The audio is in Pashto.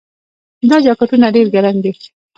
دا جاکټونه ډیر ګرم دي.